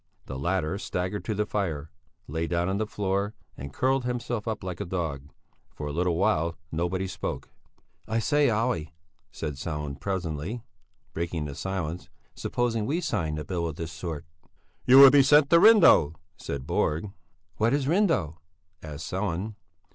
The latter staggered to the fire, lay down on the floor and curled himself up like a dog. For a little while nobody spoke. "I say, Olle," said Sellén presently, breaking the silence, "supposing we signed a bill of this sort...." "You would be sent to Rindö," said Borg. "What is Rindö?" asked Sellén.